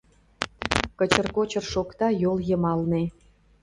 Кычыр-кочыр шокта йол йымалне